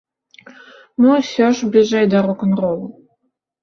Мы ўсё ж бліжэй да рок-н-ролу.